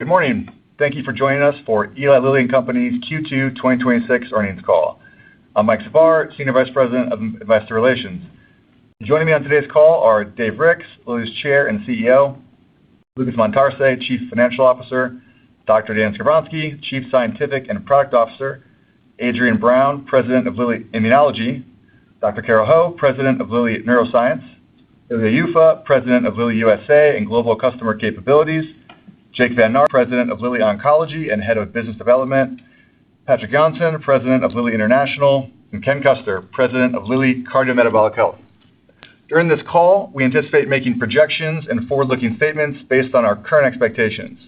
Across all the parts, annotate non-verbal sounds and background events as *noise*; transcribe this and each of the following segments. Good morning. Thank you for joining us for Eli Lilly and Company's Q2 2026 earnings call. I'm Mike Czapar, Senior Vice President of Investor Relations. Joining me on today's call are Dave Ricks, Lilly's Chair and CEO, Lucas Montarce, Chief Financial Officer, Dan Skovronsky, Chief Scientific and Product Officer, Adrienne Brown, President of Lilly Immunology, Carole Ho, President of Lilly Neuroscience, Ilya Yuffa, President of Lilly USA and Global Customer Capabilities, Jake Van Naarden, President of Lilly Oncology and Head of Business Development, Patrik Jonsson, President of Lilly International, and Ken Custer, President of Lilly Cardiometabolic Health. During this call, we anticipate making projections and forward-looking statements based on our current expectations.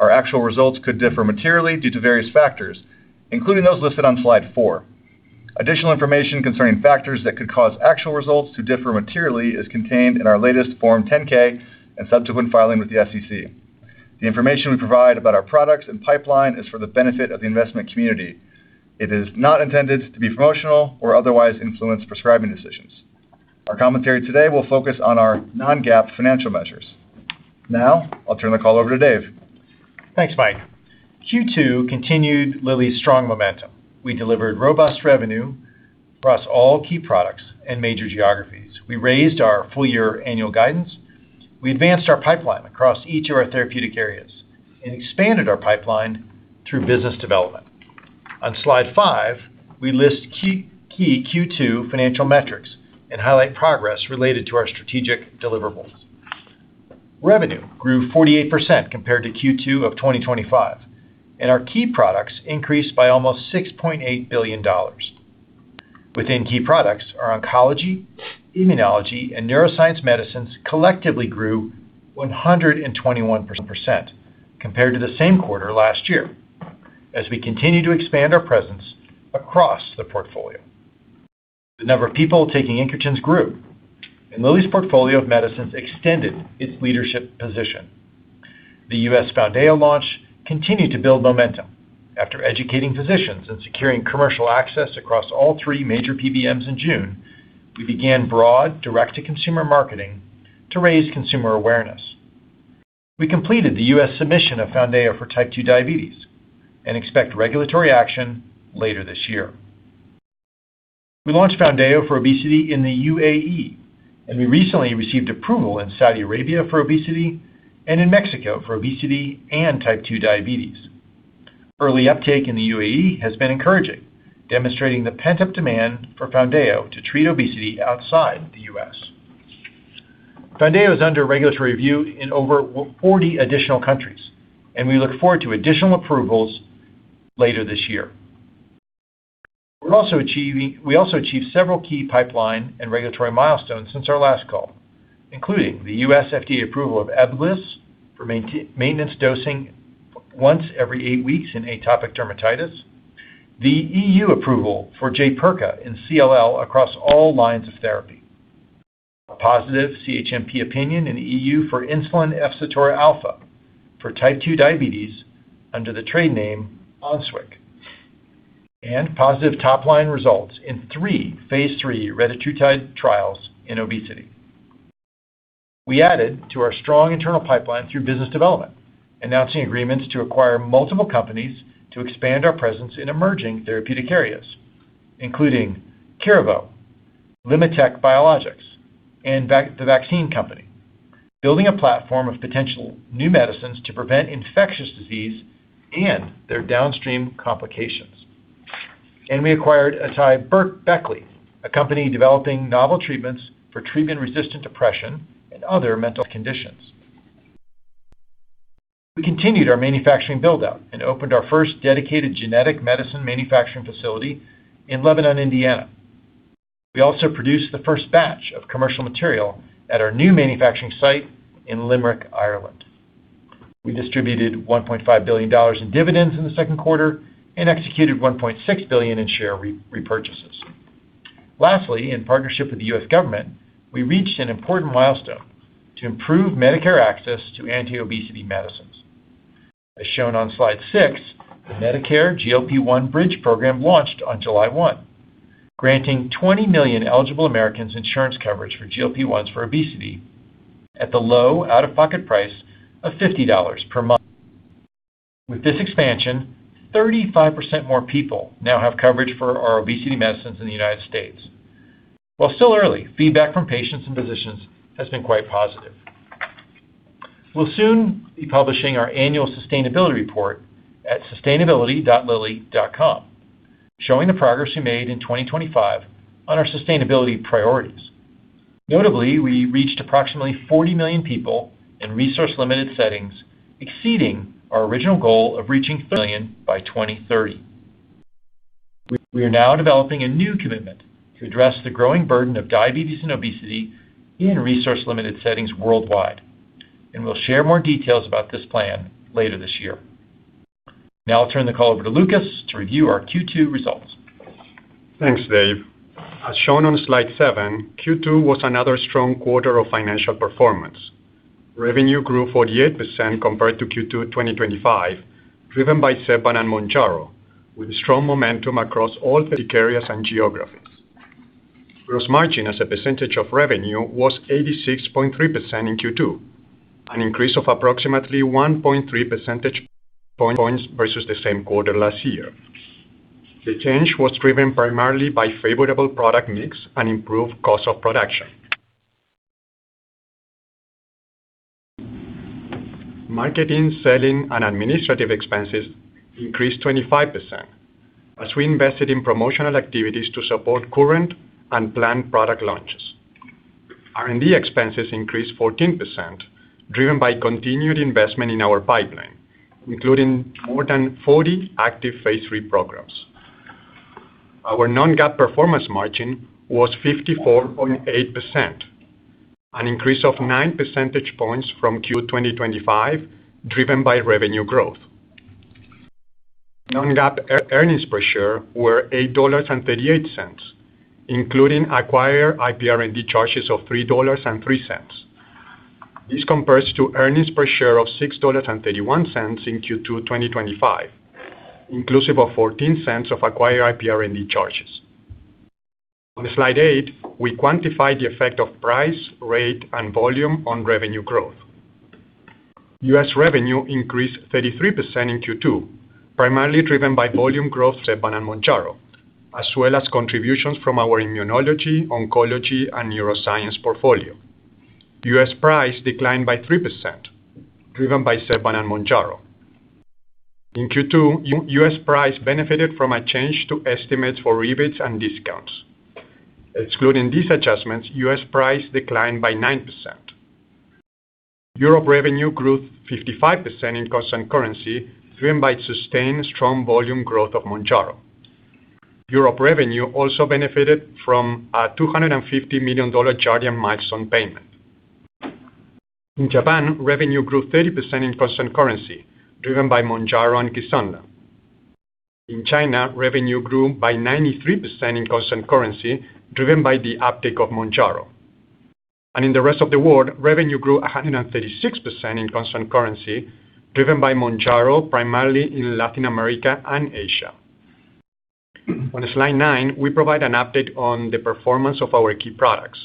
Our actual results could differ materially due to various factors, including those listed on slide four. Additional information concerning factors that could cause actual results to differ materially is contained in our latest Form 10-K and subsequent filing with the SEC. The information we provide about our products and pipeline is for the benefit of the investment community. It is not intended to be promotional or otherwise influence prescribing decisions. Our commentary today will focus on our non-GAAP financial measures. I'll turn the call over to Dave. Thanks, Mike. Q2 continued Lilly's strong momentum. We delivered robust revenue across all key products and major geographies. We raised our full-year annual guidance. We advanced our pipeline across each of our therapeutic areas and expanded our pipeline through business development. On slide five, we list key Q2 financial metrics and highlight progress related to our strategic deliverables. Revenue grew 48% compared to Q2 2025. Our key products increased by almost $6.8 billion. Within key products, our oncology, immunology, and neuroscience medicines collectively grew 121% compared to the same quarter last year, as we continue to expand our presence across the portfolio. The number of people taking incretins grew, and Lilly's portfolio of medicines extended its leadership position. The U.S. Foundayo launch continued to build momentum. After educating physicians and securing commercial access across all three major PBMs in June, we began broad direct-to-consumer marketing to raise consumer awareness. We completed the U.S. submission of Foundayo for Type 2 diabetes and expect regulatory action later this year. We launched Foundayo for obesity in the UAE. We recently received approval in Saudi Arabia for obesity and in Mexico for obesity and Type 2 diabetes. Early uptake in the UAE has been encouraging, demonstrating the pent-up demand for Foundayo to treat obesity outside the U.S.. Foundayo is under regulatory review in over 40 additional countries. We look forward to additional approvals later this year. We also achieved several key pipeline and regulatory milestones since our last call, including the US FDA approval of Ebglyss for maintenance dosing once every eight weeks in atopic dermatitis, the EU approval for Jaypirca in CLL across all lines of therapy, a positive CHMP opinion in EU for insulin efsitora alfa for Type 2 diabetes under the trade name Onswik, and positive top-line results in three phase III retatrutide trials in obesity. We added to our strong internal pipeline through business development, announcing agreements to acquire multiple companies to expand our presence in emerging therapeutic areas, including Curevo, LimmaTech Biologics, and The Vaccine Company, building a platform of potential new medicines to prevent infectious disease and their downstream complications. We acquired AtaiBeckley, a company developing novel treatments for treatment-resistant depression and other mental conditions. We continued our manufacturing build-out and opened our first dedicated genetic medicine manufacturing facility in Lebanon, Indiana. We also produced the first batch of commercial material at our new manufacturing site in Limerick, Ireland. We distributed $1.5 billion in dividends in the second quarter and executed $1.6 billion in share repurchases. Lastly, in partnership with the US government, we reached an important milestone to improve Medicare access to anti-obesity medicines. As shown on slide six, the Medicare GLP-1 Bridge Program launched on July 1, granting 20 million eligible Americans insurance coverage for GLP-1s for obesity at the low out-of-pocket price of $50 per month. With this expansion, 35% more people now have coverage for our obesity medicines in the United States. While still early, feedback from patients and physicians has been quite positive. We'll soon be publishing our annual sustainability report at sustainability.lilly.com, showing the progress we made in 2025 on our sustainability priorities. Notably, we reached approximately 40 million people in resource-limited settings, exceeding our original goal of reaching 30 million by 2030. We are now developing a new commitment to address the growing burden of diabetes and obesity in resource-limited settings worldwide, and we'll share more details about this plan later this year. I'll turn the call over to Lucas to review our Q2 results. Thanks, Dave. As shown on slide seven, Q2 was another strong quarter of financial performance. Revenue grew 48% compared to Q2 2025, driven by ZEPBOUND and MOUNJARO, with strong momentum across all therapeutic areas and geographies. Gross margin as a percentage of revenue was 86.3% in Q2, an increase of approximately 1.3 percentage points versus the same quarter last year. The change was driven primarily by favorable product mix and improved cost of production. Marketing, selling, and administrative expenses increased 25%, as we invested in promotional activities to support current and planned product launches. R&D expenses increased 14%, driven by continued investment in our pipeline, including more than 40 active phase III programs. Our non-GAAP performance margin was 54.8%, an increase of nine percentage points from Q2 2025, driven by revenue growth. Non-GAAP earnings per share were $8.38, including acquired IPR&D charges of $3.03. This compares to earnings per share of $6.31 in Q2 2025, inclusive of $0.14 of acquired IPR&D charges. On slide eight, we quantify the effect of price, rate, and volume on revenue growth. U.S. revenue increased 33% in Q2, primarily driven by volume growth, ZEPBOUND and MOUNJARO, as well as contributions from our Immunology, Oncology, and Neuroscience portfolio. U.S. price declined by 3%, driven by ZEPBOUND and MOUNJARO. In Q2, U.S. price benefited from a change to estimates for rebates and discounts. Excluding these adjustments, U.S. price declined by 9%. Europe revenue grew 55% in constant currency, driven by sustained strong volume growth of MOUNJARO. Europe revenue also benefited from a $250 million Jardiance milestone payment. In Japan, revenue grew 30% in constant currency, driven by MOUNJARO and KISUNLA. In China, revenue grew by 93% in constant currency, driven by the uptake of MOUNJARO. In the rest of the world, revenue grew 136% in constant currency, driven by MOUNJARO, primarily in Latin America and Asia. On slide nine, we provide an update on the performance of our key products.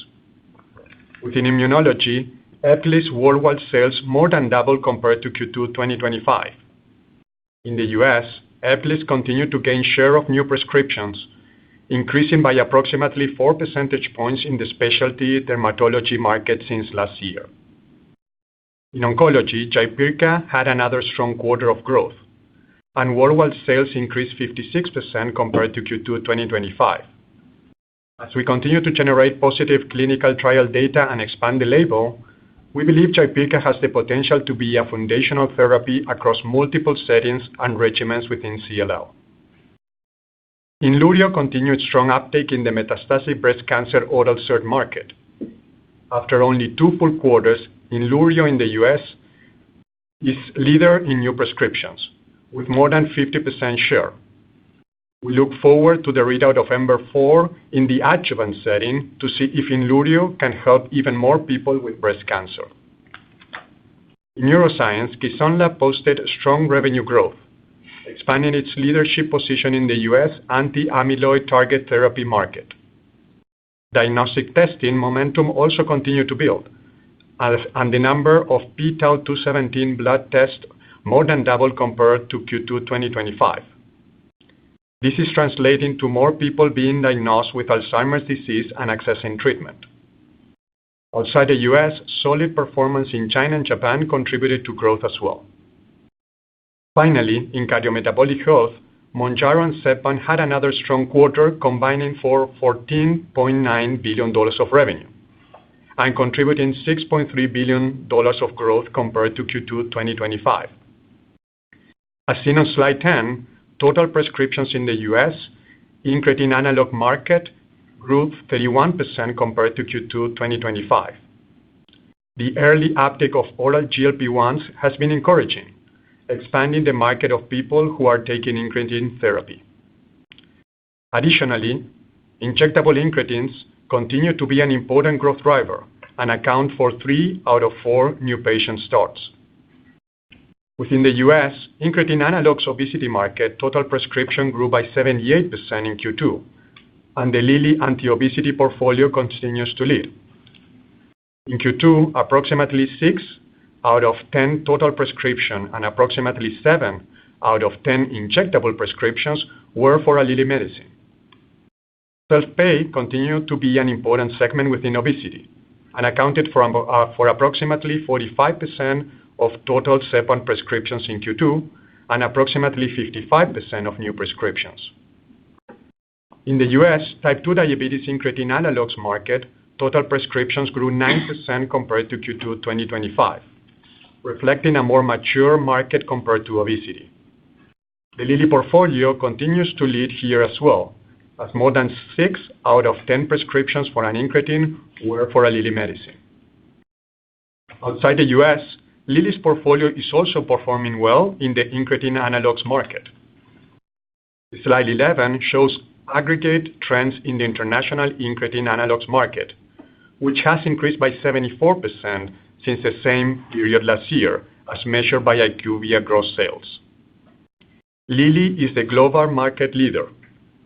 Within Immunology, Ebglyss worldwide sales more than doubled compared to Q2 2025. In the U.S., Ebglyss continued to gain share of new prescriptions, increasing by approximately 4 percentage points in the specialty dermatology market since last year. In Oncology, Jaypirca had another strong quarter of growth, and worldwide sales increased 56% compared to Q2 2025. As we continue to generate positive clinical trial data and expand the label, we believe Jaypirca has the potential to be a foundational therapy across multiple settings and regimens within CLL. INLURIYO continued strong uptake in the metastatic breast cancer oral SERD market. After only two full quarters, INLURIYO in the U.S. is leader in new prescriptions, with more than 50% share. We look forward to the readout of EMBER-4 in the adjuvant setting to see if INLURIYO can help even more people with breast cancer. In Neuroscience, KISUNLA posted strong revenue growth, expanding its leadership position in the U.S. anti-amyloid target therapy market. Diagnostic testing momentum also continued to build, and the number of p-tau217 blood tests more than doubled compared to Q2 2025. This is translating to more people being diagnosed with Alzheimer's disease and accessing treatment. Outside the U.S., solid performance in China and Japan contributed to growth as well. Finally, in Cardiometabolic Health, MOUNJARO and ZEPBOUND had another strong quarter combining for $14.9 billion of revenue and contributing $6.3 billion of growth compared to Q2 2025. As seen on slide 10, total prescriptions in the U.S. incretin analog market grew 31% compared to Q2 2025. The early uptake of oral GLP-1s has been encouraging, expanding the market of people who are taking incretin therapy. Additionally, injectable incretins continue to be an important growth driver and account for three out of four new patient starts. Within the U.S. incretin analogs obesity market, total prescription grew by 78% in Q2, and the Lilly anti-obesity portfolio continues to lead. In Q2, approximately six out of 10 total prescription and approximately seven out of 10 injectable prescriptions were for a Lilly medicine. Self-pay continued to be an important segment within obesity and accounted for approximately 45% of total ZEPBOUND prescriptions in Q2 and approximately 55% of new prescriptions. In the U.S., Type 2 diabetes incretin analogs market, total prescriptions grew 9% compared to Q2 2025, reflecting a more mature market compared to obesity. The Lilly portfolio continues to lead here as well, as more than six out of 10 prescriptions for an incretin were for a Lilly medicine. Outside the U.S., Lilly's portfolio is also performing well in the incretin analogs market. Slide 11 shows aggregate trends in the international incretin analogs market, which has increased by 74% since the same period last year, as measured by IQVIA gross sales. Lilly is the global market leader,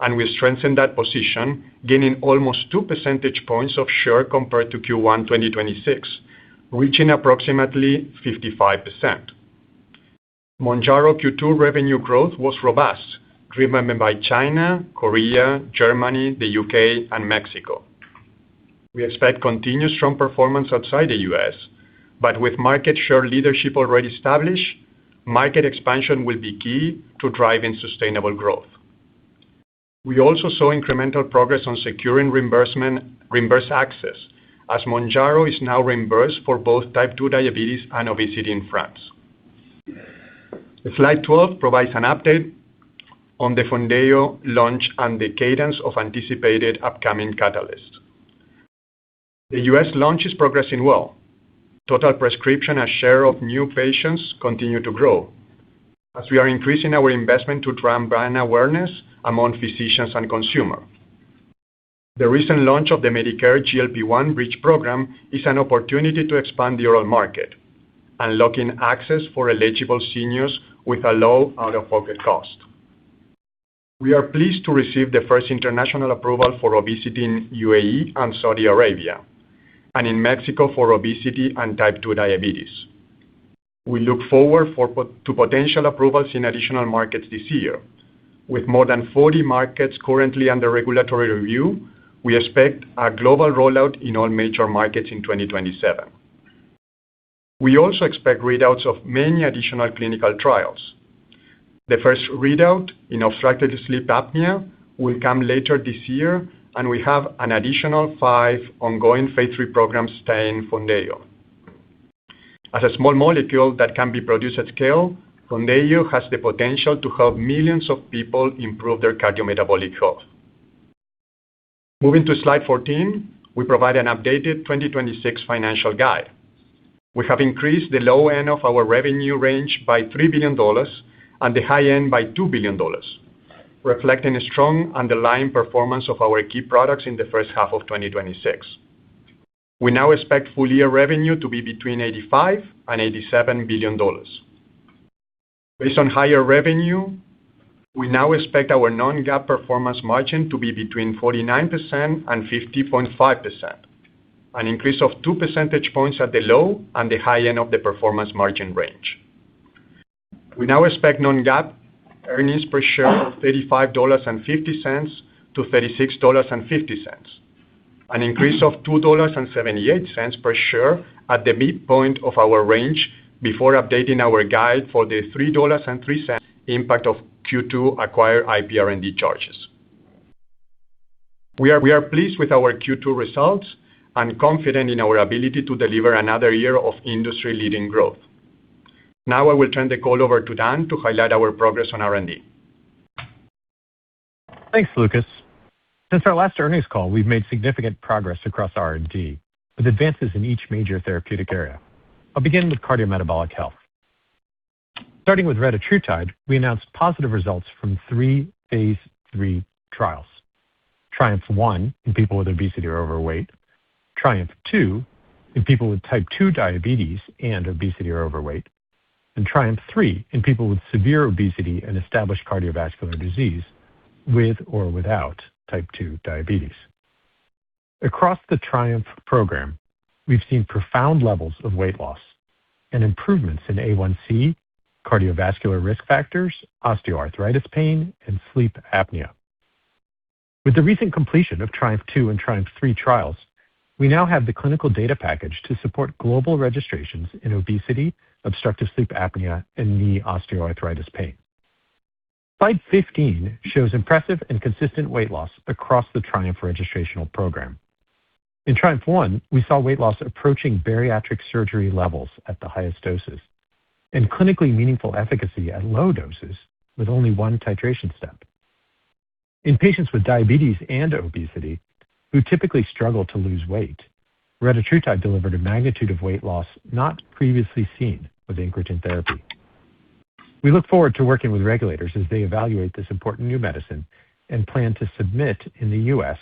and we strengthen that position, gaining almost 2 percentage points of share compared to Q1 2026, reaching approximately 55%. MOUNJARO Q2 revenue growth was robust, driven by China, Korea, Germany, the U.K., and Mexico. We expect continued strong performance outside the U.S.. With market share leadership already established, market expansion will be key to driving sustainable growth. We also saw incremental progress on securing reimbursed access as MOUNJARO is now reimbursed for both Type 2 diabetes and obesity in France. Slide 12 provides an update on the Foundayo launch and the cadence of anticipated upcoming catalysts. The U.S. launch is progressing well. Total prescription and share of new patients continue to grow as we are increasing our investment to drive brand awareness among physicians and consumers. The recent launch of the Medicare GLP-1 Bridge program is an opportunity to expand the oral market, unlocking access for eligible seniors with a low out-of-pocket cost. We are pleased to receive the first international approval for obesity in UAE and Saudi Arabia, and in Mexico for obesity and Type 2 diabetes. We look forward to potential approvals in additional markets this year. With more than 40 markets currently under regulatory review, we expect a global rollout in all major markets in 2027. We also expect readouts of many additional clinical trials. The first readout in obstructive sleep apnea will come later this year, and we have an additional five ongoing phase III programs studying Foundayo. As a small molecule that can be produced at scale, Foundayo has the potential to help millions of people improve their cardiometabolic health. Moving to slide 14, we provide an updated 2026 financial guide. We have increased the low-end of our revenue range by $3 billion and the high-end by $2 billion, reflecting a strong underlying performance of our key products in the first half of 2026. We now expect full-year revenue to be between $85 billion and $87 billion. Based on higher revenue, we now expect our non-GAAP performance margin to be between 49%-50.5%, an increase of 2 percentage points at the low- and the high-end of the performance margin range. We now expect non-GAAP earnings per share of $35.50-$36.50, an increase of $2.78 per share at the midpoint of our range before updating our guide for the $3.03 impact of Q2 acquired IPR&D charges. We are pleased with our Q2 results and confident in our ability to deliver another year of industry-leading growth. I will turn the call over to Dan to highlight our progress on R&D. Thanks, Lucas. Since our last earnings call, we've made significant progress across R&D, with advances in each major therapeutic area. I'll begin with cardiometabolic health. Starting with retatrutide, we announced positive results from three phase III trials. TRIUMPH-1 in people with obesity or overweight, TRIUMPH-2 in people with Type 2 diabetes and obesity or overweight, and TRIUMPH-3 in people with severe obesity and established cardiovascular disease with or without Type 2 diabetes. Across the TRIUMPH program, we've seen profound levels of weight loss and improvements in A1C, cardiovascular risk factors, osteoarthritis pain, and sleep apnea. With the recent completion of TRIUMPH-2 and TRIUMPH-3 trials, we now have the clinical data package to support global registrations in obesity, obstructive sleep apnea, and knee osteoarthritis pain. Slide 15 shows impressive and consistent weight loss across the TRIUMPH registrational program. In TRIUMPH-1, we saw weight loss approaching bariatric surgery levels at the highest doses, and clinically meaningful efficacy at low doses with only one titration step. In patients with diabetes and obesity, who typically struggle to lose weight, retatrutide delivered a magnitude of weight loss not previously seen with incretin therapy. We look forward to working with regulators as they evaluate this important new medicine and plan to submit in the U.S.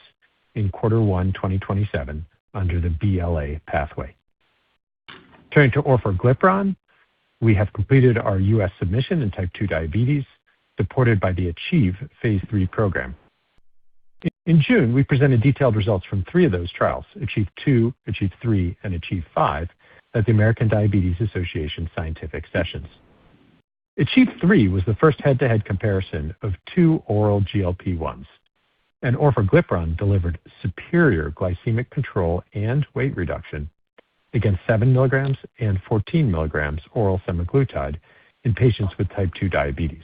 in quarter one 2027 under the BLA pathway. Turning to orforglipron, we have completed our U.S. submission in Type 2 diabetes supported by the ACHIEVE phase III program. In June, we presented detailed results from three of those trials, ACHIEVE-2, ACHIEVE-3, and ACHIEVE-5 at the American Diabetes Association Scientific Sessions. ACHIEVE-3 was the first head-to-head comparison of two oral GLP-1s. Orforglipron delivered superior glycemic control and weight reduction against 7 mg and 14 mg oral semaglutide in patients with Type 2 diabetes.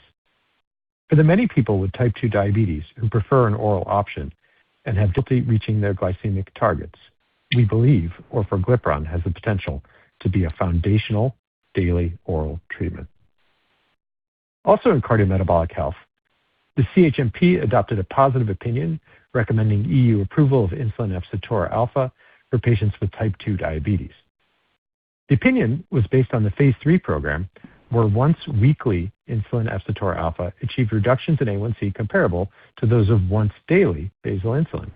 For the many people with Type 2 diabetes who prefer an oral option and have difficulty reaching their glycemic targets, we believe orforglipron has the potential to be a foundational daily oral treatment. Also, in cardiometabolic health, the CHMP adopted a positive opinion recommending EU approval of insulin efsitora alfa for patients with Type 2 diabetes. The opinion was based on the phase III program, where once-weekly insulin efsitora alfa achieved reductions in A1C comparable to those of once-daily basal insulin.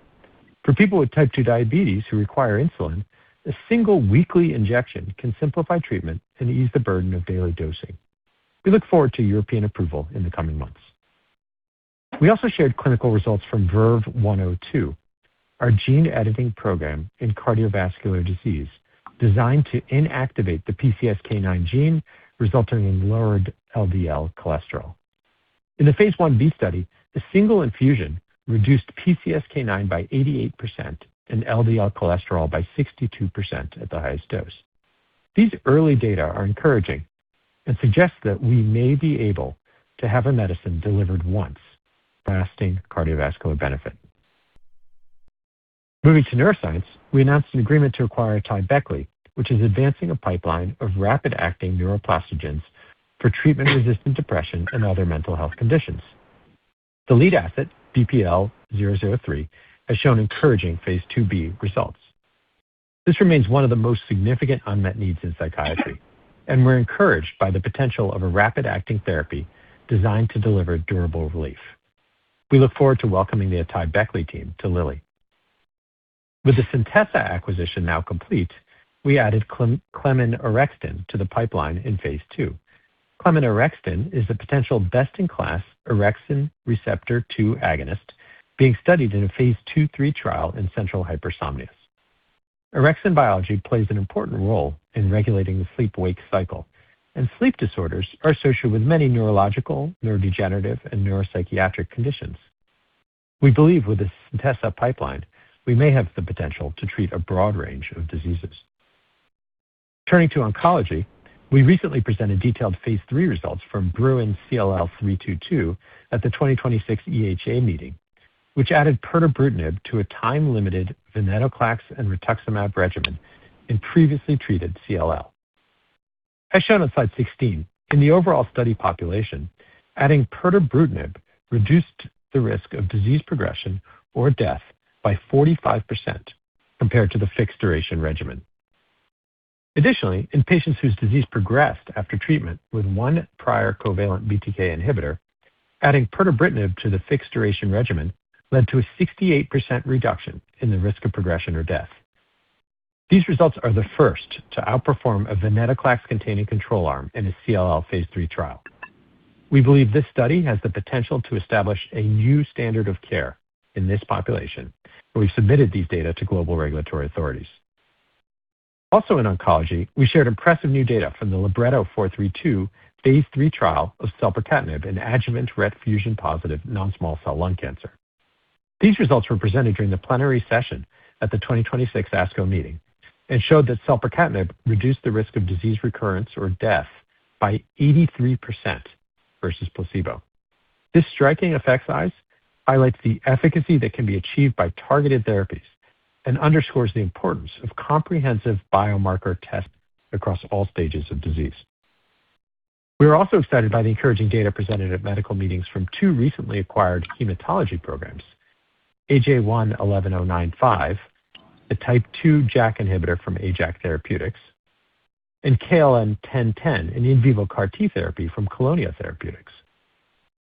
For people with Type 2 diabetes who require insulin, a single weekly injection can simplify treatment and ease the burden of daily dosing. We look forward to European approval in the coming months. We also shared clinical results from VERVE-102, our gene editing program in cardiovascular disease designed to inactivate the PCSK9 gene, resulting in lowered LDL cholesterol. In the phase I-B study, the single infusion reduced PCSK9 by 88% and LDL cholesterol by 62% at the highest dose. These early data are encouraging and suggest that we may be able to have a medicine delivered once for lasting cardiovascular benefit. Moving to neuroscience, we announced an agreement to acquire AtaiBeckley, which is advancing a pipeline of rapid-acting neuroplastogens for treatment-resistant depression and other mental health conditions. The lead asset, BPL-003, has shown encouraging phase II-B results. This remains one of the most significant unmet needs in psychiatry. We're encouraged by the potential of a rapid-acting therapy designed to deliver durable relief. We look forward to welcoming the AtaiBeckley team to Lilly. With the Centessa acquisition now complete, we added cleminorexton to the pipeline in phase II. cleminorexton is the potential best-in-class orexin receptor 2 agonist being studied in a phase II/III trial in central hypersomnias. Orexin biology plays an important role in regulating the sleep-wake cycle, and sleep disorders are associated with many neurological, neurodegenerative, and neuropsychiatric conditions. We believe with the Centessa pipeline, we may have the potential to treat a broad range of diseases. Turning to oncology, we recently presented detailed phase III results from BRUIN CLL-322 at the 2026 European Hematology Association meeting, which added pirtobrutinib to a time-limited venetoclax and rituximab regimen in previously treated CLL. As shown on slide 16, in the overall study population, adding pirtobrutinib reduced the risk of disease progression or death by 45% compared to the fixed-duration regimen. Additionally, in patients whose disease progressed after treatment with one prior covalent BTK inhibitor, adding pirtobrutinib to the fixed-duration regimen led to a 68% reduction in the risk of progression or death. These results are the first to outperform a venetoclax-containing control arm in a CLL phase III trial. We believe this study has the potential to establish a new standard of care in this population, and we've submitted these data to global regulatory authorities. Also in oncology, we shared impressive new data from the LIBRETTO-432 phase III trial of selpercatinib in adjuvant RET fusion-positive non-small cell lung cancer. These results were presented during the plenary session at the 2026 ASCO meeting and showed that selpercatinib reduced the risk of disease recurrence or death by 83% versus placebo. This striking effect size highlights the efficacy that can be achieved by targeted therapies and underscores the importance of comprehensive biomarker tests across all stages of disease. We are also excited by the encouraging data presented at medical meetings from two recently acquired hematology programs, AJ1-11095, a type II JAK inhibitor from Ajax Therapeutics, and KLN-1010, an in vivo CAR T therapy from Kelonia Therapeutics.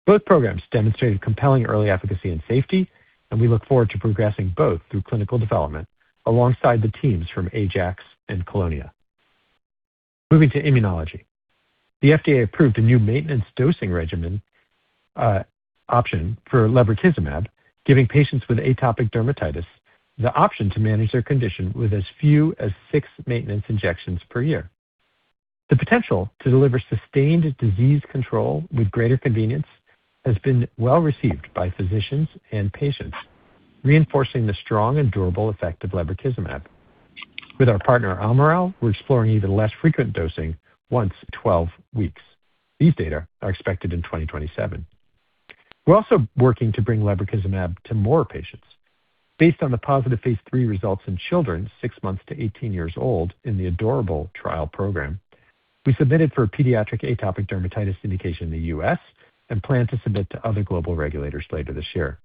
Both programs demonstrated compelling early efficacy and safety, and we look forward to progressing both through clinical development alongside the teams from Ajax and Kelonia. Moving to immunology, the FDA approved a new maintenance dosing regimen option for lebrikizumab, giving patients with atopic dermatitis the option to manage their condition with as few as six maintenance injections per year. The potential to deliver sustained disease control with greater convenience has been well received by physicians and patients, reinforcing the strong and durable effect of lebrikizumab. With our partner Almirall, we're exploring even less frequent dosing once every 12 weeks. These data are expected in 2027. We're also working to bring lebrikizumab to more patients. Based on the positive phase III results in children 6 months to 18 years old in the ADorable trial program, we submitted for a pediatric atopic dermatitis indication in the U.S. and plan to submit to other global regulators later this year.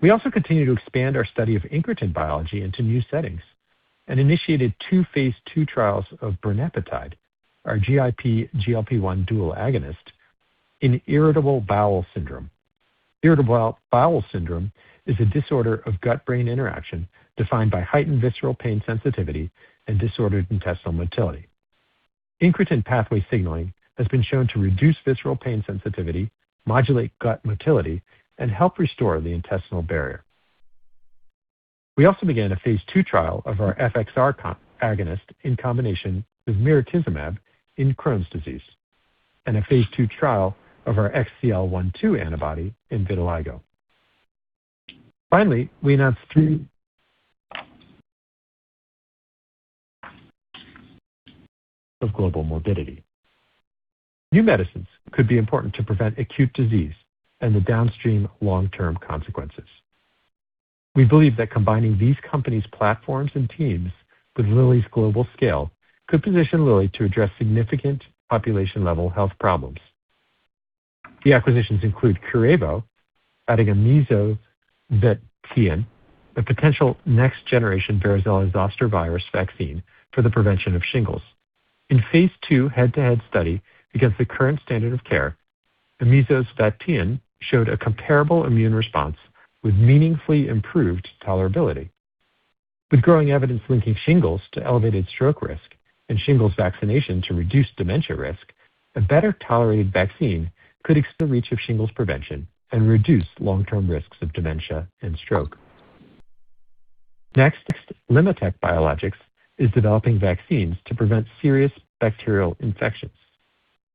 We also continue to expand our study of incretin biology into new settings and initiated two phase II trials of brenipatide, our GIP/GLP-1 dual agonist in irritable bowel syndrome. Irritable bowel syndrome is a disorder of gut-brain interaction defined by heightened visceral pain sensitivity and disordered intestinal motility. Incretin pathway signaling has been shown to reduce visceral pain sensitivity, modulate gut motility, and help restore the intestinal barrier. We also began a phase II trial of our FXR agonist in combination with mirikizumab in Crohn's disease and a phase II trial of our XCL1/2 antibody in vitiligo. Finally, we announced. *inaudible* New medicines could be important to prevent acute disease and the downstream long-term consequences. We believe that combining these companies' platforms and teams with Lilly's global scale could position Lilly to address significant population-level health problems. The acquisitions include Curevo adding amezosvatein, a potential next-generation varicella-zoster virus vaccine for the prevention of shingles. In a phase II head-to-head study against the current standard of care, emicestatine showed a comparable immune response with meaningfully improved tolerability. With growing evidence linking shingles to elevated stroke risk and shingles vaccination to reduced dementia risk, a better-tolerated vaccine could expand the reach of shingles prevention and reduce long-term risks of dementia and stroke. Next, LimmaTech Biologics is developing vaccines to prevent serious bacterial infections.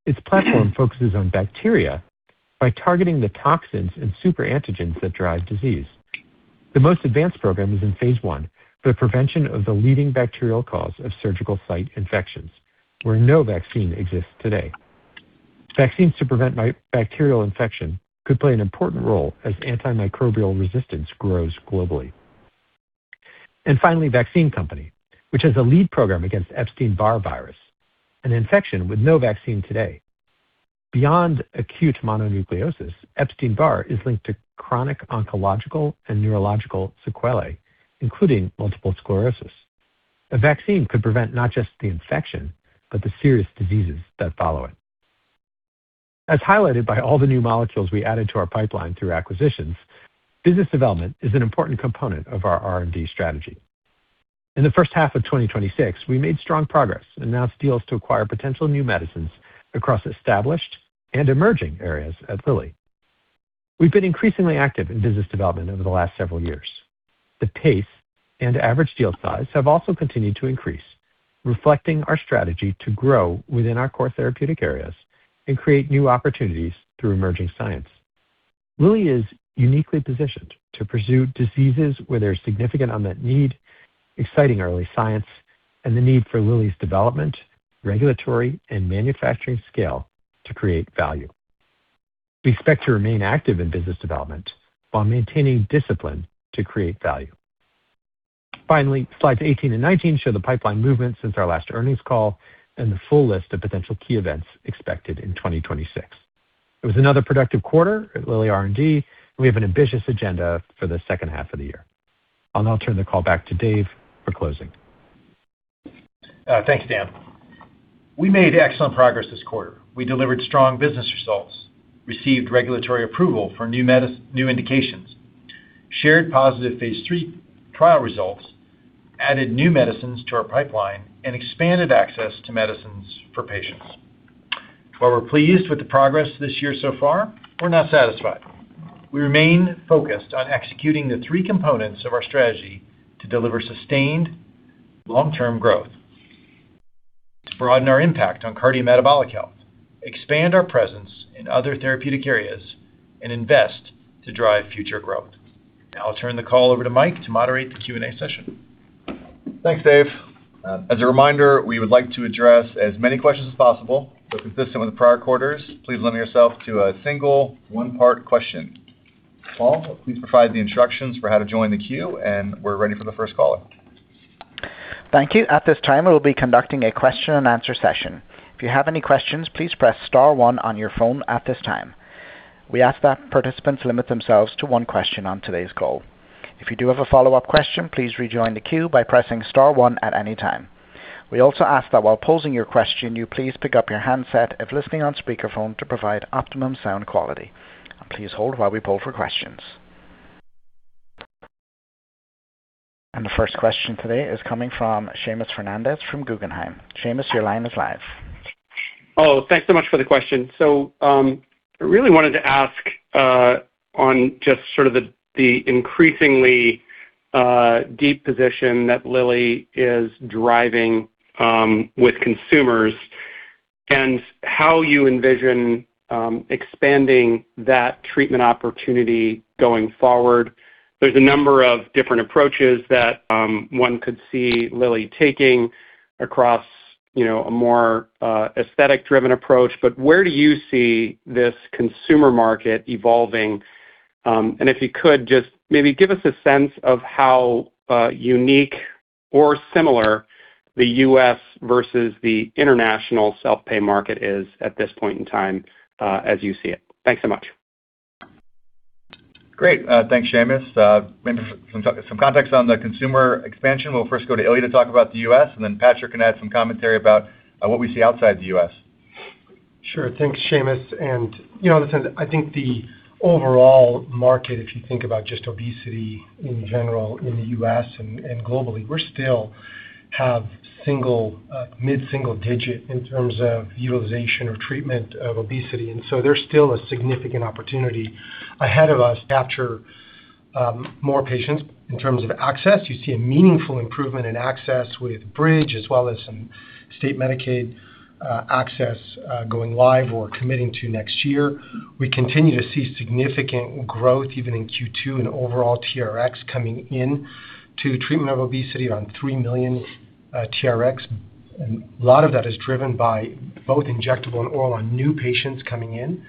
Its platform focuses on bacteria by targeting the toxins and super antigens that drive disease. The most advanced program is in phase I for the prevention of the leading bacterial cause of surgical site infections, where no vaccine exists today. Vaccines to prevent bacterial infection could play an important role as antimicrobial resistance grows globally. Finally, Vaccine Company, which has a lead program against Epstein-Barr virus, an infection with no vaccine today. Beyond acute mononucleosis, Epstein-Barr is linked to chronic oncological and neurological sequelae, including multiple sclerosis. A vaccine could prevent not just the infection, but the serious diseases that follow it. As highlighted by all the new molecules we added to our pipeline through acquisitions, business development is an important component of our R&D strategy. In the first half of 2026, we made strong progress, announced deals to acquire potential new medicines across established and emerging areas at Lilly. We've been increasingly active in business development over the last several years. The pace and average deal size have also continued to increase, reflecting our strategy to grow within our core therapeutic areas and create new opportunities through emerging science. Lilly is uniquely positioned to pursue diseases where there's significant unmet need, exciting early science, and the need for Lilly's development, regulatory, and manufacturing scale to create value. We expect to remain active in business development while maintaining discipline to create value. Finally, slides 18 and 19 show the pipeline movement since our last earnings call and the full list of potential key events expected in 2026. It was another productive quarter at Lilly R&D. We have an ambitious agenda for the second half of the year. I'll now turn the call back to Dave for closing. Thanks, Dan. We made excellent progress this quarter. We delivered strong business results, received regulatory approval for new indications, shared positive phase III trial results, added new medicines to our pipeline, and expanded access to medicines for patients. While we're pleased with the progress this year so far, we're not satisfied. We remain focused on executing the three components of our strategy to deliver sustained long-term growth, to broaden our impact on cardiometabolic health, expand our presence in other therapeutic areas, and invest to drive future growth. Now I'll turn the call over to Mike to moderate the Q&A session. Thanks, Dave. As a reminder, we would like to address as many questions as possible, consistent with prior quarters, please limit yourself to a single one-part question. Paul, please provide the instructions for how to join the queue, and we're ready for the first caller. Thank you. At this time, we'll be conducting a question-and-answer session. If you have any questions, please press star one on your phone at this time. We ask that participants limit themselves to one question on today's call. If you do have a follow-up question, please rejoin the queue by pressing star one at any time. We also ask that while posing your question, you please pick up your handset if listening on speakerphone to provide optimum sound quality. Please hold while we poll for questions. The first question today is coming from Seamus Fernandez from Guggenheim. Seamus, your line is live. Thanks so much for the question. I really wanted to ask on just sort of the increasingly deep position that Lilly is driving with consumers and how you envision expanding that treatment opportunity going forward. There's a number of different approaches that one could see Lilly taking across a more aesthetic-driven approach, but where do you see this consumer market evolving? If you could, just maybe give us a sense of how unique or similar the U.S. versus the international self-pay market is at this point in time as you see it. Thanks so much. Great. Thanks, Seamus. Maybe for some context on the consumer expansion, we will first go to Ilya to talk about the U.S., and then Patrik can add some commentary about what we see outside the U.S.. Sure. Thanks, Seamus. Listen, I think the overall market, if you think about just obesity in general in the U.S. and globally, we still have mid-single-digit in terms of utilization or treatment of obesity, there is still a significant opportunity ahead of us to capture more patients. In terms of access, you see a meaningful improvement in access with Bridge as well as some state Medicaid access going live or committing to next year. We continue to see significant growth even in Q2 and overall TRxs coming in to treatment of obesity on 3 million TRxs. A lot of that is driven by both injectable and oral on new patients coming in.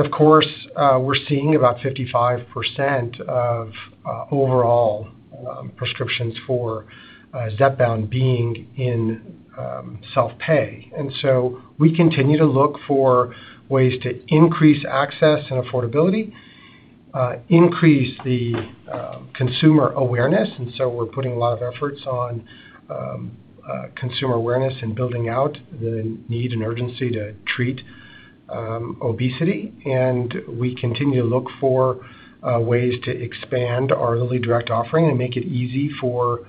Of course, we are seeing about 55% of overall prescriptions for ZEPBOUND being in self-pay. We continue to look for ways to increase access and affordability, increase the consumer awareness. We are putting a lot of efforts on consumer awareness and building out the need and urgency to treat obesity. We continue to look for ways to expand our LillyDirect offering and make it easy for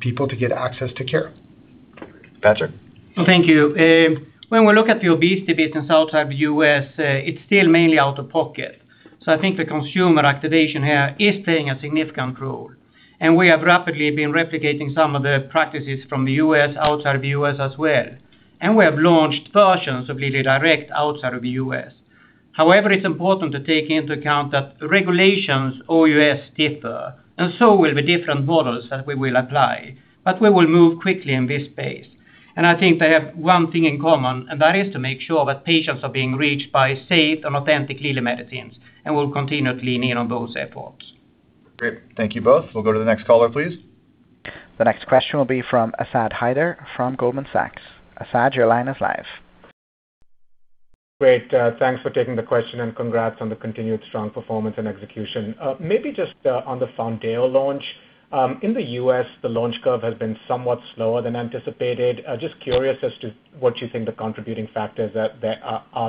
people to get access to care. Patrik? Thank you. When we look at the obesity business outside of the U.S., it is still mainly out of pocket. I think the consumer activation here is playing a significant role, we have rapidly been replicating some of the practices from the U.S. outside of the U.S. as well. We have launched versions of LillyDirect outside of the U.S.. However, it is important to take into account that regulations OUS differ, so will the different models that we will apply. We will move quickly in this space. I think they have one thing in common, that is to make sure that patients are being reached by safe and authentic Lilly medicines, we will continue to lean in on those efforts. Great. Thank you both. We'll go to the next caller, please. The next question will be from Asad Haider from Goldman Sachs. Asad, your line is live. Great. Thanks for taking the question and congrats on the continued strong performance and execution. Maybe just on the Foundayo launch. In the U.S., the launch curve has been somewhat slower than anticipated. Just curious as to what you think the contributing factors are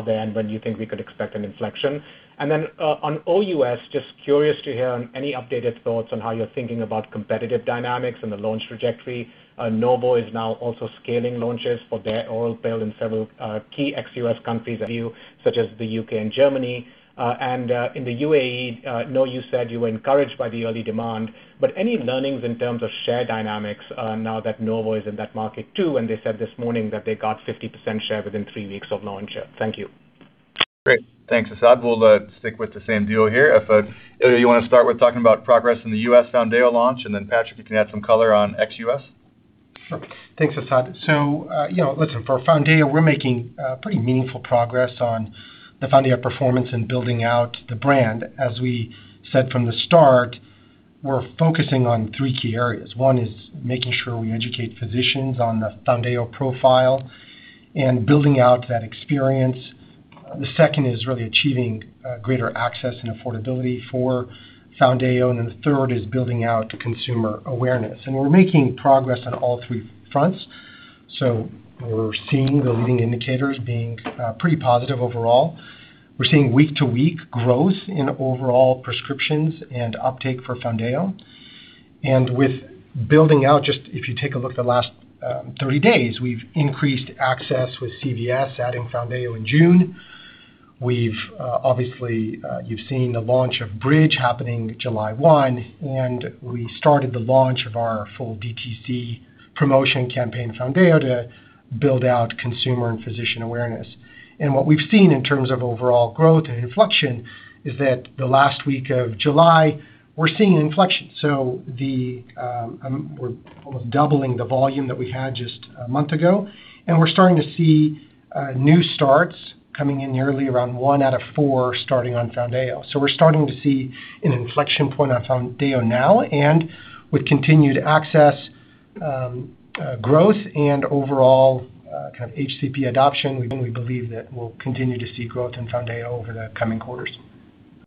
there, and when you think we could expect an inflection. Then on OUS, just curious to hear on any updated thoughts on how you're thinking about competitive dynamics and the launch trajectory. Novo Nordisk is now also scaling launches for their oral pill in several key ex-U.S. countries of view, such as the U.K. and Germany. In the UAE, I know you said you were encouraged by the early demand, but any learnings in terms of share dynamics now that Novo Nordisk is in that market too, and they said this morning that they got 50% share within three weeks of launch. Thank you. Great. Thanks, Asad. We'll stick with the same duo here. Ilya you want to start with talking about progress in the U.S. Foundayo launch, then Patrik, you can add some color on ex-U.S. Sure. Thanks, Asad. So, listen, for Foundayo, we're making pretty meaningful progress on the Foundayo performance and building out the brand. As we said from the start, we're focusing on three key areas. One is making sure we educate physicians on the Foundayo profile and building out that experience. The second is really achieving greater access and affordability for Foundayo, and then the third is building out consumer awareness. We're making progress on all three fronts. We're seeing the leading indicators being pretty positive overall. We're seeing week-to-week growth in overall prescriptions and uptake for Foundayo. With building out, just if you take a look at the last 30 days, we've increased access with CVS adding Foundayo in June. Obviously, you've seen the launch of Bridge happening July 1, and we started the launch of our full DTC promotion campaign, Foundayo, to build out consumer and physician awareness. What we've seen in terms of overall growth and inflection is that the last week of July, we're seeing inflection. We're almost doubling the volume that we had just a month ago, and we're starting to see new starts coming in yearly, around one out of four starting on Foundayo. We're starting to see an inflection point on Foundayo now. With continued access growth and overall HCP adoption, we believe that we'll continue to see growth in Foundayo over the coming quarters.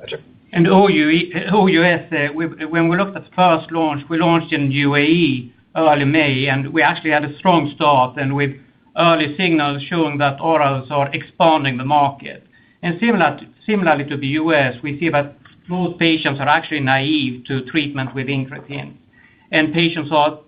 Patrik? In OUS, when we looked at first launch, we launched in UAE early May, and we actually had a strong start and with early signals showing that orals are expanding the market. Similarly to the U.S., we see that most patients are actually naive to treatment with incretin, and patients are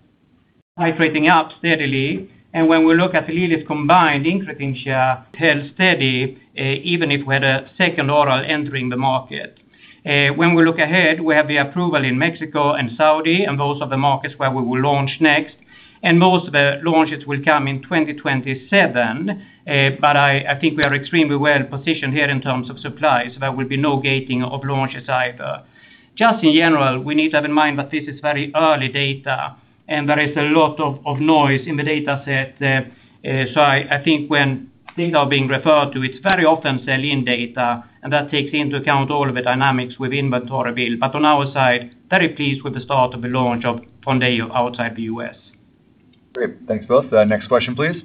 titrating up steadily. When we look at Lilly's combined incretin share, held steady, even if we had a second oral entering the market. When we look ahead, we have the approval in Mexico and Saudi, and those are the markets where we will launch next, and most of the launches will come in 2027. I think we are extremely well-positioned here in terms of supply. There will be no gating of launches either. In general, we need to have in mind that this is very early data, and there is a lot of noise in the data set. I think when data are being referred to, it's very often sell-in data, and that takes into account all of the dynamics with inventory build. On our side, very pleased with the start of the launch of Foundayo outside the U.S.. Great. Thanks, both. Next question, please.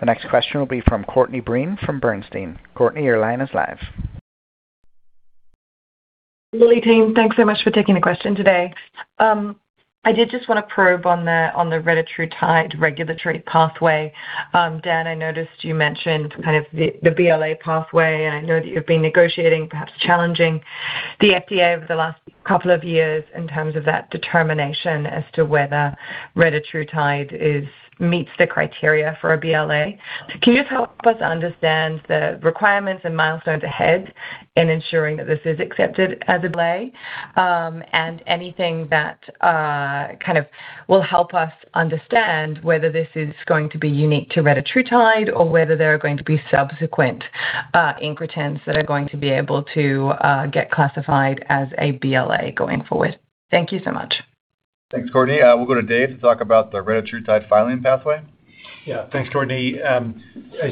The next question will be from Courtney Breen from Bernstein. Courtney, your line is live. Lilly team, thanks so much for taking the question today. I did just want to probe on the retatrutide regulatory pathway. Dan, I noticed you mentioned kind of the BLA pathway, and I know that you've been negotiating, perhaps challenging the FDA over the last couple of years in terms of that determination as to whether retatrutide meets the criteria for a BLA. Can you just help us understand the requirements and milestones ahead in ensuring that this is accepted as a BLA? And anything that kind of will help us understand whether this is going to be unique to retatrutide or whether there are going to be subsequent incretins that are going to be able to get classified as a BLA going forward. Thank you so much. Thanks, Courtney. We'll go to Dave to talk about the retatrutide filing pathway. Yeah. Thanks, Courtney. As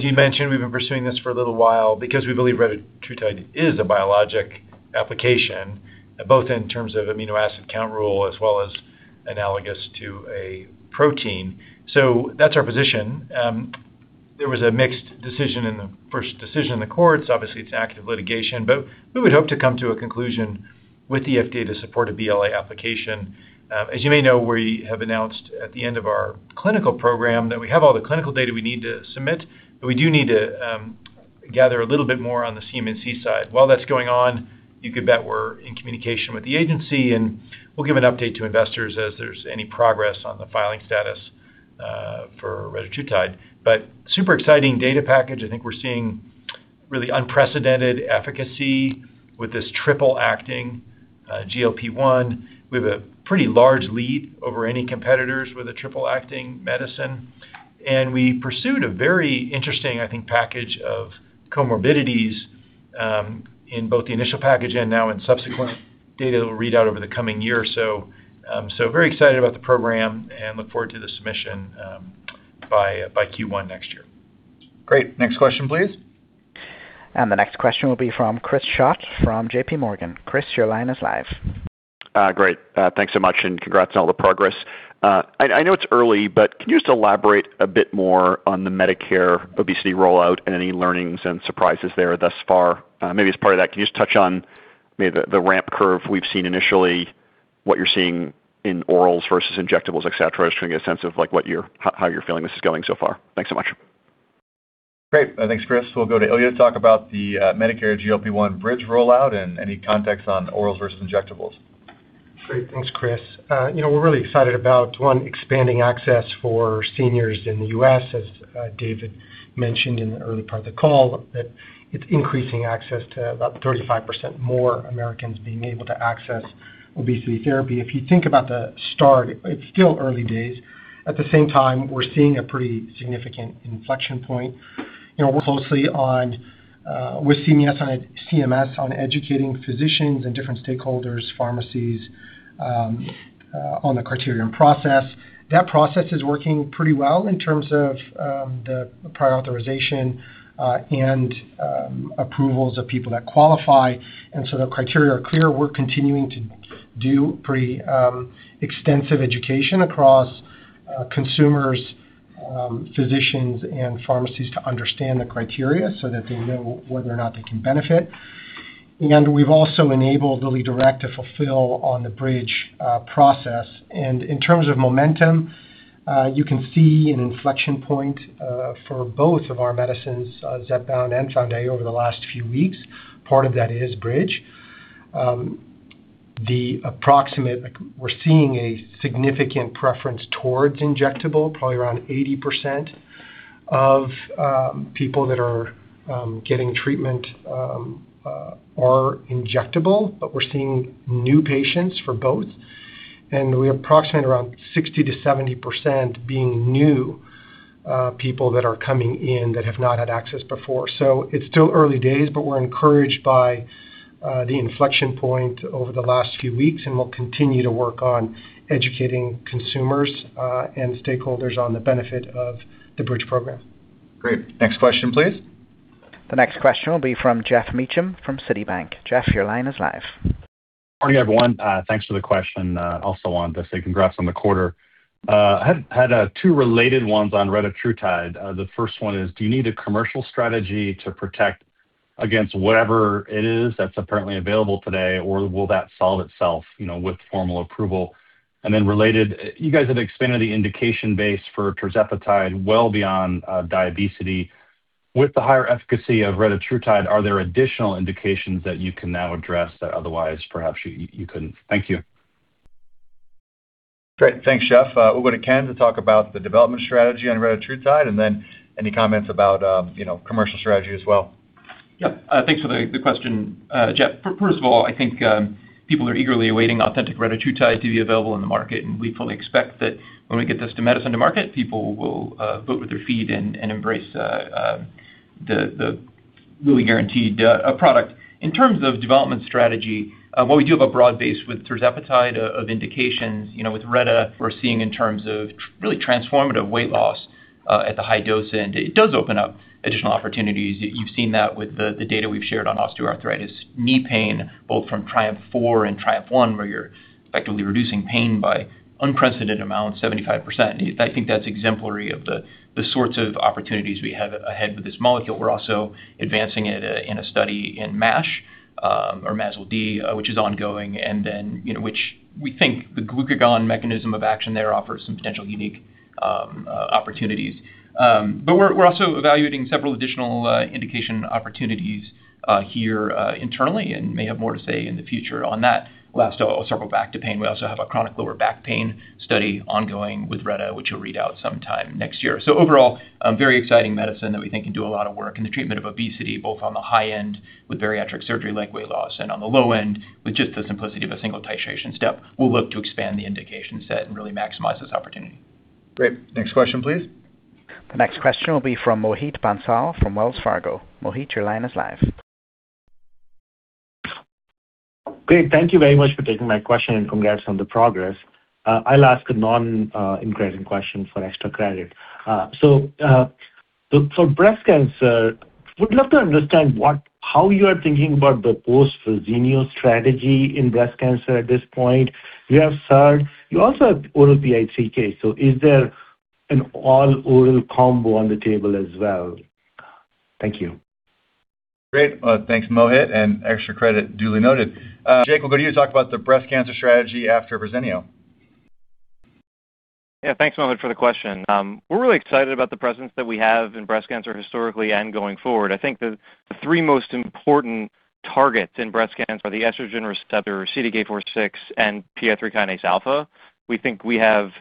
you mentioned, we've been pursuing this for a little while because we believe retatrutide is a biologic application, both in terms of amino acid count rule as well as analogous to a protein. That's our position. There was a mixed decision in the first decision in the courts. Obviously, it's active litigation. We would hope to come to a conclusion with the FDA to support a BLA application. As you may know, we have announced at the end of our clinical program that we have all the clinical data we need to submit, but we do need to gather a little bit more on the CMC side. While that's going on, you can bet we're in communication with the agency, and we'll give an update to investors as there's any progress on the filing status for retatrutide. Super exciting data package. I think we're seeing really unprecedented efficacy with this triple-acting GLP-1. We have a pretty large lead over any competitors with a triple-acting medicine. We pursued a very interesting, I think, package of comorbidities in both the initial package and now in subsequent data that will read out over the coming year or so. Very excited about the program and look forward to the submission by Q1 next year. Great. Next question, please. The next question will be from Chris Schott from JPMorgan. Chris, your line is live. Great. Thanks so much, and congrats on all the progress. I know it's early, but can you just elaborate a bit more on the Medicare Obesity rollout and any learnings and surprises there thus far? As part of that, can you just touch on the ramp curve we've seen initially, what you're seeing in orals versus injectables, et cetera? Just trying to get a sense of how you're feeling this is going so far. Thanks so much. Great. Thanks, Chris. We'll go to Ilya to talk about the Medicare GLP-1 Bridge rollout and any context on orals versus injectables. Great. Thanks, Chris. We're really excited about, one, expanding access for seniors in the U.S., as David mentioned in the early part of the call, that it's increasing access to about 35% more Americans being able to access obesity therapy. If you think about the start, it's still early days. At the same time, we're seeing a pretty significant inflection point. We're closely with CMS on educating physicians and different stakeholders, pharmacies, on the criteria and process. That process is working pretty well in terms of the prior authorization and approvals of people that qualify. The criteria are clear. We're continuing to do pretty extensive education across consumers, physicians, and pharmacies to understand the criteria so that they know whether or not they can benefit. We've also enabled LillyDirect to fulfill on the Bridge process. In terms of momentum, you can see an inflection point for both of our medicines, ZEPBOUND and MOUNJARO, over the last few weeks. Part of that is Bridge. We're seeing a significant preference towards injectable. Probably around 80% of people that are getting treatment are injectable, but we're seeing new patients for both. We approximate around 60%-70% being new people that are coming in that have not had access before. It's still early days, but we're encouraged by the inflection point over the last few weeks, and we'll continue to work on educating consumers and stakeholders on the benefit of the Bridge Program. Great. Next question, please. The next question will be from Geoff Meacham from Citibank. Geoff, your line is live. Morning, everyone. Thanks for the question. Also want to say congrats on the quarter. Had two related ones on retatrutide. The first one is, do you need a commercial strategy to protect against whatever it is that's apparently available today, or will that solve itself with formal approval? Then related, you guys have expanded the indication base for tirzepatide well beyond diabesity. With the higher efficacy of retatrutide, are there additional indications that you can now address that otherwise perhaps you couldn't? Thank you. Great. Thanks, Geoff. We'll go to Ken to talk about the development strategy on retatrutide and then any comments about commercial strategy as well. Yeah. Thanks for the question, Geoff. First of all, I think people are eagerly awaiting authentic retatrutide to be available in the market, and we fully expect that when we get this medicine to market, people will vote with their feet and embrace the really guaranteed product. In terms of development strategy, while we do have a broad base with tirzepatide of indications, with retatrutide, we're seeing in terms of really transformative weight loss at the high dose, and it does open up additional opportunities. You've seen that with the data we've shared on osteoarthritis knee pain, both from TRIUMPH-4 and TRIUMPH-1, where you're effectively reducing pain by unprecedented amounts, 75%. I think that's exemplary of the sorts of opportunities we have ahead with this molecule. We're also advancing it in a study in MASH or MASLD, which is ongoing, and then which we think the glucagon mechanism of action there offers some potential unique opportunities. We're also evaluating several additional indication opportunities here internally and may have more to say in the future on that. Last, I'll circle back to pain. We also have a chronic lower back pain study ongoing with retatrutide, which will read out sometime next year. Overall, a very exciting medicine that we think can do a lot of work in the treatment of obesity, both on the high end with bariatric surgery like weight loss, and on the low end with just the simplicity of a single titration step. We'll look to expand the indication set and really maximize this opportunity. Great. Next question, please. The next question will be from Mohit Bansal from Wells Fargo. Mohit, your line is live. Great. Thank you very much for taking my question, and congrats on the progress. I'll ask a non-encroaching question for extra credit. For breast cancer, would love to understand how you are thinking about the post-Verzenio strategy in breast cancer at this point. You have SERD. You also have oral PI3K. Is there an all-oral combo on the table as well? Thank you. Great. Well, thanks, Mohit, and extra credit duly noted. Jake, we'll go to you to talk about the breast cancer strategy after Verzenio. Yeah, thanks, Mohit, for the question. We're really excited about the presence that we have in breast cancer historically and going forward. I think the three most important targets in breast cancer are the estrogen receptor, CDK4/6, and PI3 kinase alpha. We think we have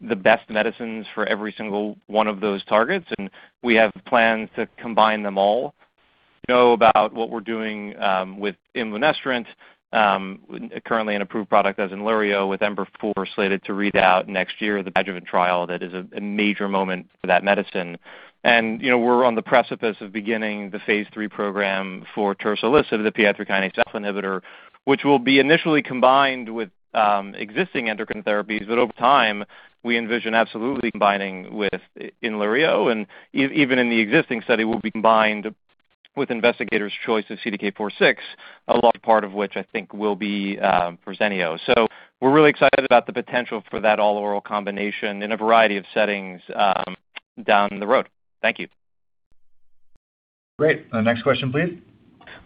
the best medicines for every single one of those targets, and we have plans to combine them all. Know about what we're doing with imlunestrant, currently an approved product as INLURIYO with EMBER-4 slated to read out next year, the adjuvant trial. That is a major moment for that medicine. We're on the precipice of beginning the phase III program for tersolisib, the PI3 kinase inhibitor, which will be initially combined with existing endocrine therapies, but over time, we envision absolutely combining with INLURIYO. Even in the existing study, will be combined with investigators' choice of CDK4/6, a large part of which I think will be Verzenio. We're really excited about the potential for that all-oral combination in a variety of settings down the road. Thank you. Great. Next question, please.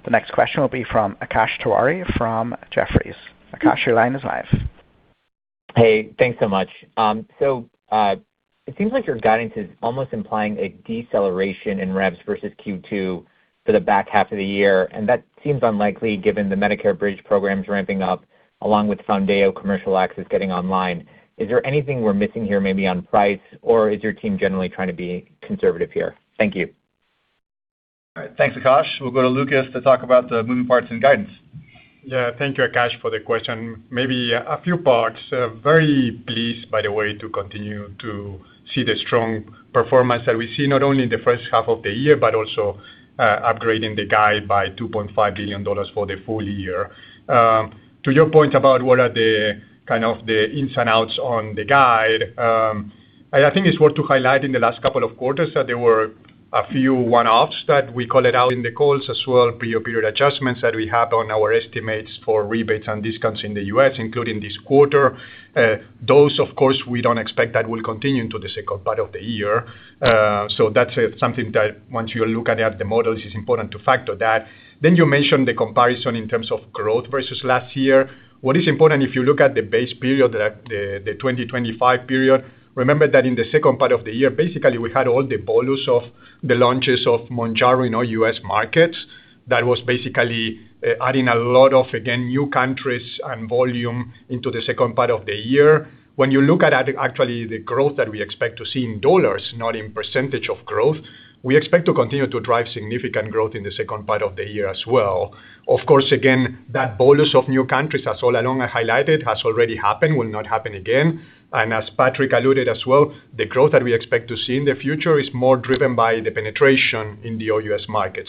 The next question will be from Akash Tewari from Jefferies. Akash, your line is live. Hey, thanks so much. It seems like your guidance is almost implying a deceleration in revs versus Q2 for the back half of the year, and that seems unlikely given the Medicare Bridge programs ramping-up along with Foundayo commercial access getting online. Is there anything we're missing here maybe on price, or is your team generally trying to be conservative here? Thank you. All right. Thanks, Akash. We'll go to Lucas to talk about the moving parts and guidance. Thank you, Akash, for the question. Maybe a few parts. Very pleased, by the way, to continue to see the strong performance that we see not only in the first half of the year, but also upgrading the guide by $2.5 billion for the full-year. To your point about what are the ins and outs on the guide, I think it's worth to highlight in the last couple of quarters that there were a few one-offs that we called out in the calls as well, pre-period adjustments that we have on our estimates for rebates and discounts in the U.S., including this quarter. Those, of course, we don't expect that will continue into the second part of the year. That's something that once you look at the models, it's important to factor that. You mentioned the comparison in terms of growth versus last year. What is important, if you look at the base period, the 2025 period, remember that in the second part of the year, basically, we had all the bolus of the launches of MOUNJARO in all U.S. markets. That was basically adding a lot of, again, new countries and volume into the second part of the year. When you look at actually the growth that we expect to see in dollars, not in percentage of growth, we expect to continue to drive significant growth in the second part of the year as well. Of course, again, that bolus of new countries, *inaudible* highlighted, has already happened, will not happen again. And as Patrik alluded as well, the growth that we expect to see in the future is more driven by the penetration in the OUS market.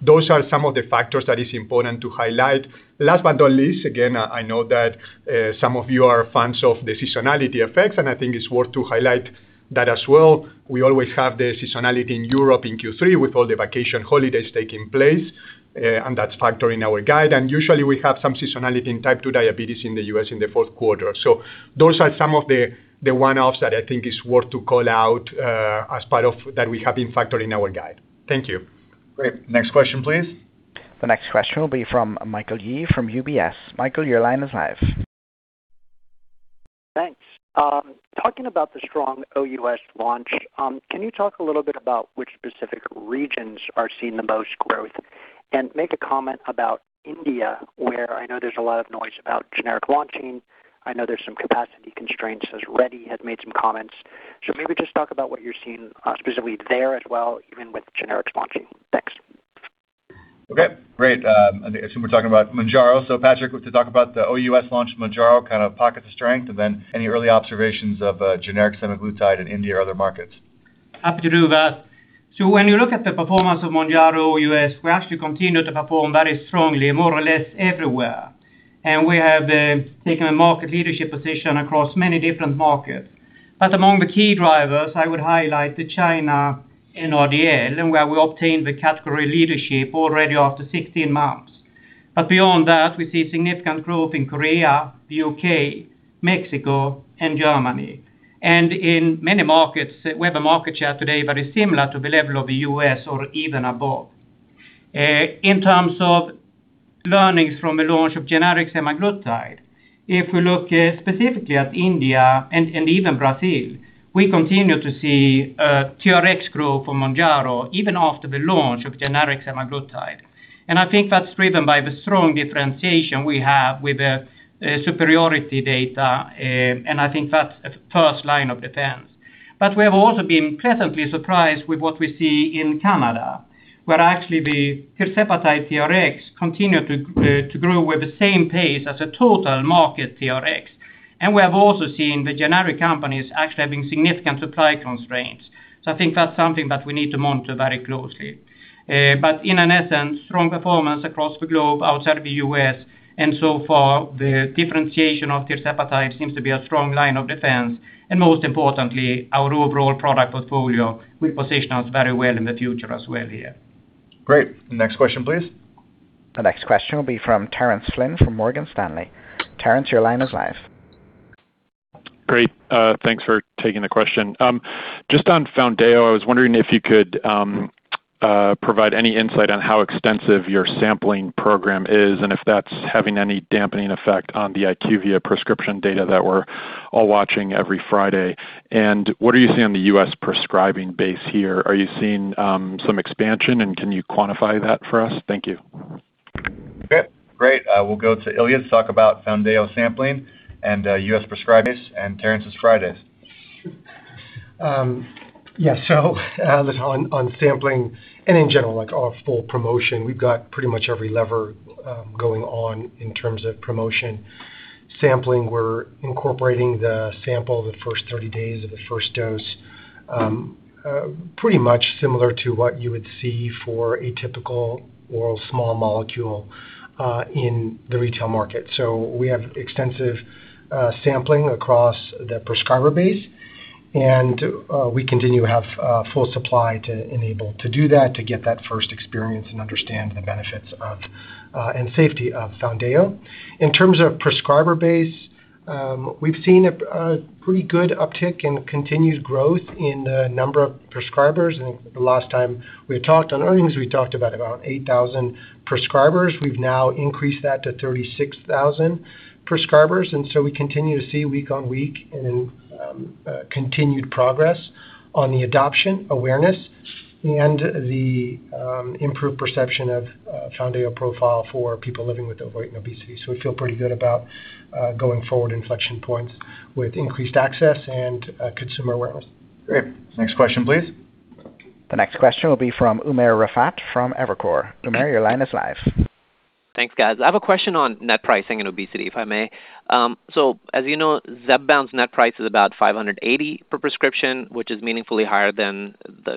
Those are some of the factors that is important to highlight. Last but not least, again, I know that some of you are fans of the seasonality effects, I think it's worth to highlight that as well. We always have the seasonality in Europe in Q3 with all the vacation holidays taking place, and that's factored in our guide. And usually, we have some seasonality in Type 2 diabetes in the U.S. in the fourth quarter. Those are some of the one-offs that I think is worth to call out as part of that we have been factoring our guide. Thank you. Great. Next question, please. The next question will be from Michael Yee from UBS. Michael, your line is live. Thanks. Talking about the strong OUS launch, can you talk a little bit about which specific regions are seeing the most growth? Make a comment about India, where I know there's a lot of noise about generic launching. I know there's some capacity constraints, as Reddy has made some comments. Maybe just talk about what you're seeing specifically there as well, even with generics launching. Thanks. Okay, great. I assume we're talking about MOUNJARO. Patrik, to talk about the OUS launch of MOUNJARO, kind of pocket the strength, any early observations of generic semaglutide in India or other markets. Happy to do that. When you look at the performance of MOUNJARO OUS, we actually continue to perform very strongly, more or less everywhere. We have taken a market leadership position across many different markets. Among the key drivers, I would highlight the China NRDL, where we obtained the category leadership already after 16 months. Beyond that, we see significant growth in Korea, the U.K., Mexico, and Germany. In many markets, we have a market share today very similar to the level of the U.S. or even above. In terms of learnings from the launch of generic semaglutide, if we look specifically at India and even Brazil, we continue to see TRx grow for MOUNJARO even after the launch of generic semaglutide. I think that's driven by the strong differentiation we have with the superiority data, and I think that's a first line of defense. We have also been pleasantly surprised with what we see in Canada, where actually the tirzepatide TRx continue to grow with the same pace as the total market TRx. We have also seen the generic companies actually having significant supply constraints. I think that's something that we need to monitor very closely. In essence, strong performance across the globe outside of the U.S., and so far, the differentiation of tirzepatide seems to be a strong line of defense, and most importantly, our overall product portfolio will position us very well in the future as well here. Great. Next question, please. The next question will be from Terence Flynn from Morgan Stanley. Terence, your line is live Great. Thanks for taking the question. Just on Foundayo, I was wondering if you could provide any insight on how extensive your sampling program is, and if that's having any dampening effect on the IQVIA prescription data that we're all watching every Friday. What are you seeing on the U.S. prescribing base here? Are you seeing some expansion, and can you quantify that for us? Thank you. Okay, great. We'll go to Ilya to talk about Foundayo sampling and U.S. prescribers and Terence's Fridays. Yeah. On sampling and in general, like our full promotion, we've got pretty much every lever going on in terms of promotion. Sampling, we're incorporating the sample the first 30 days of the first dose, pretty much similar to what you would see for a typical oral small molecule in the retail market. We have extensive sampling across the prescriber base, and we continue to have full supply to enable to do that, to get that first experience and understand the benefits and safety of Foundayo. In terms of prescriber base, we've seen a pretty good uptick in continued growth in the number of prescribers, and the last time we talked on earnings, we talked about 8,000 prescribers. We've now increased that to 36,000 prescribers, we continue to see week-on-week and continued progress on the adoption awareness and the improved perception of Foundayo profile for people living with overweight and obesity. We feel pretty good about going forward inflection points with increased access and consumer awareness. Great. Next question, please. The next question will be from Umer Raffat from Evercore. Umer, your line is live. Thanks, guys. I have a question on net pricing and obesity, if I may. So as you know *inaudible* the price is about $580 per prescription which is meaningfully higher than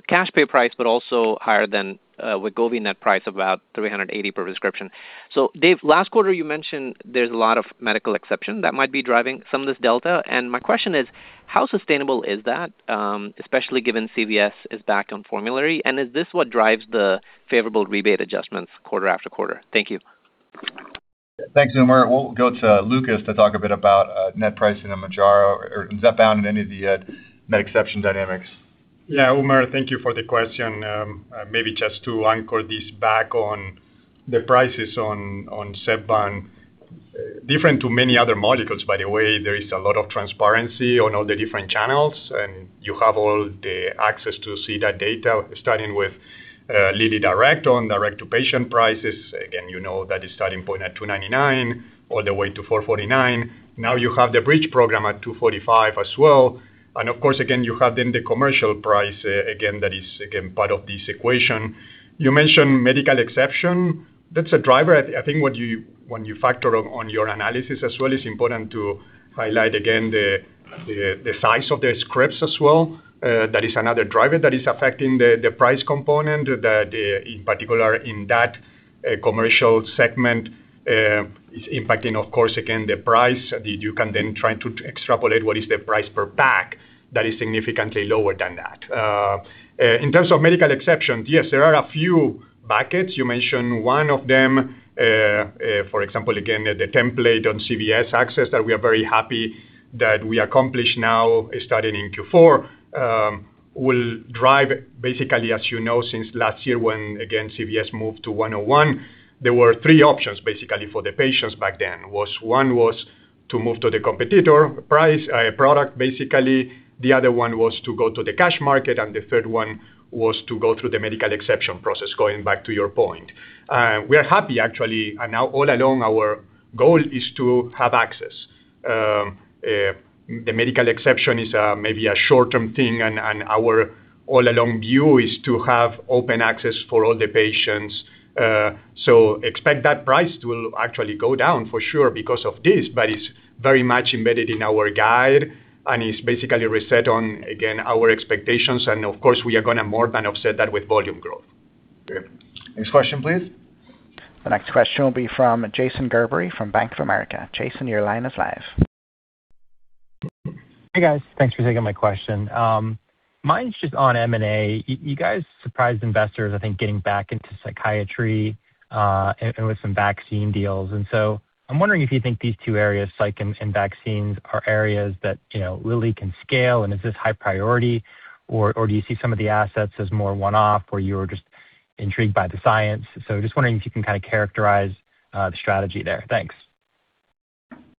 cash fair price but also higher than *inaudible* $380 per prescription. Dave, last quarter you mentioned there's a lot of medical exception that might be driving some of this delta, my question is how sustainable is that, especially given CVS is back on formulary, is this what drives the favorable rebate adjustments quarter after quarter? Thank you. Thanks, Umer. We'll go to Lucas to talk a bit about net pricing on MOUNJARO or ZEPBOUND and any of the net exception dynamics. Yeah. Umer, thank you for the question. Maybe just to anchor this back on the prices on ZEPBOUND, different to many other molecules, by the way, there is a lot of transparency on all the different channels, you have all the access to see that data starting with LillyDirect on direct-to-patient prices. Again, you know that is starting point at $299 all the way to $449. Now you have the bridge program at $245 as well. Of course, again, you have then the commercial price, again, that is part of this equation. You mentioned medical exception. That's a driver. I think when you factor on your analysis as well, it's important to highlight again the size of the scripts as well. That is another driver that is affecting the price component that in particular in that commercial segment, is impacting, of course, again, the price that you can then try to extrapolate what is the price per pack that is significantly lower than that. In terms of medical exceptions, yes, there are a few buckets. You mentioned one of them, for example, again, the template on CVS access that we are very happy that we accomplished now starting in Q4, will drive basically, as you know, since last year when again CVS moved to 101. There were three options basically for the patients back then, was one was to move to the competitor product, basically. The other one was to go to the cash market, and the third one was to go through the medical exception process, going back to your point. We are happy actually. Now all along our goal is to have access. The medical exception is maybe a short-term thing and our all along view is to have open access for all the patients. Expect that price to actually go down for sure because of this, it's very much embedded in our guide and is basically reset on, again, our expectations, of course, we are going to more than offset that with volume growth. Okay. Next question, please. The next question will be from Jason Gerberry from Bank of America. Jason, your line is live. Hey, guys. Thanks for taking my question. Mine's just on M&A. You guys surprised investors, I think, getting back into psychiatry, and with some vaccine deals. I'm wondering if you think these two areas, psych and vaccines, are areas that Lilly can scale, and is this high priority, or do you see some of the assets as more one-off or you're just intrigued by the science? Just wondering if you can kind of characterize the strategy there. Thanks.